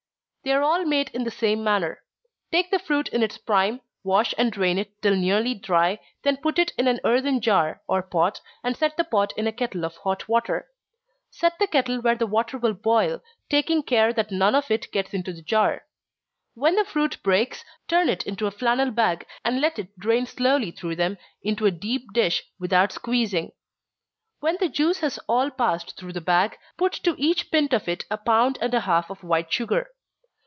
_ They are all made in the same manner. Take the fruit in its prime, wash and drain it till nearly dry, then put it in an earthen jar, or pot, and set the pot in a kettle of hot water. Set the kettle where the water will boil, taking care that none of it gets into the jar. When the fruit breaks, turn it into a flannel bag, and let it drain slowly through, into a deep dish, without squeezing. When the juice has all passed through the bag, put to each pint of it a pound and a half of white sugar.